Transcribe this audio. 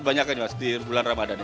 banyak kan mas di bulan ramadhan ini